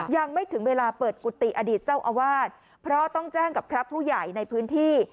ยังไม่ถึงเวลาเปิดกุฏิอดีตเจ้าอาวาสเพราะต้องแจ้งกับพระผู้ใหญ่ในพื้นที่